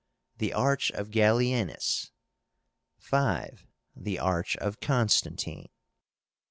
The ARCH OF GALLIÉNUS. 5. The ARCH OF CONSTANTINE.